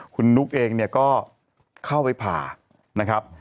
คุณนุ๊กเองเนี่ยก็เข้าไปผ่านะครับ